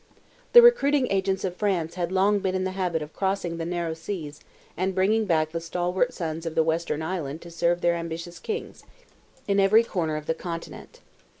The recruiting agents of France had long been in the habit of crossing the narrow seas, and bringing back the stalwart sons of the western Island to serve their ambitious kings, in every corner of the continent.